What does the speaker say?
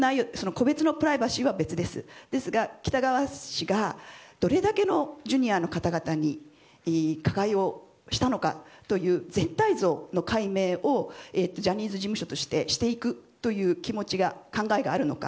個別のプライバシーは別ですがですが、喜多川氏がどれだけのＪｒ．の方々に加害をしたのかという全体像の解明をジャニーズ事務所としてしていくという考えがあるのか。